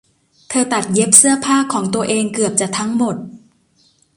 เธอตัดเย็นเสื้อผ้าของตัวเองเกือบจะทั้งหมด